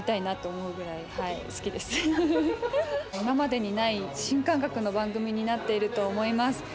今までにない新感覚の番組になっていると思います。